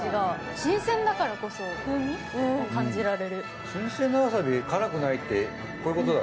新鮮だからこそ風味を感じられる。